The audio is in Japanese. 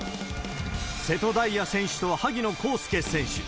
瀬戸大也選手と萩野公介選手。